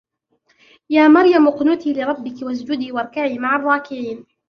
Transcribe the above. يَا مَرْيَمُ اقْنُتِي لِرَبِّكِ وَاسْجُدِي وَارْكَعِي مَعَ الرَّاكِعِينَ